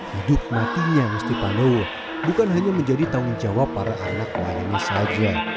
hidup matinya ngesti pandowo bukan hanya menjadi tanggung jawab para anak wayangnya saja